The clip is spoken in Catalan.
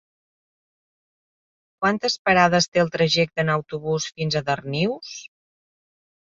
Quantes parades té el trajecte en autobús fins a Darnius?